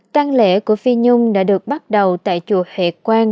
tăng lễ của phi nhung đã được bắt đầu tại chùa hệ quang